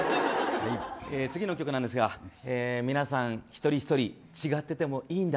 次の曲なんですが皆さん、一人ひとり違っててもいいんだ。